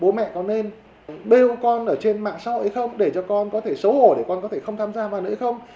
bố mẹ có nên bêu con ở trên mạng sau ấy không để cho con có thể xấu hổ để con có thể không tham gia vào nữa ấy không